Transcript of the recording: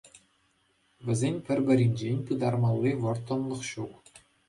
Вӗсен пӗр-пӗринчен пытармалли вӑрттӑнлӑх ҫук.